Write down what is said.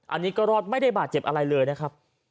อันนี้ก็รอดไม่ได้บาดเจ็บอะไรเลยนะครับ